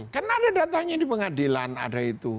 karena ada datanya di pengadilan ada itu